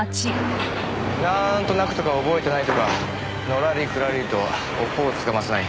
なーんとなくとか覚えてないとかのらりくらりと尾っぽをつかませない。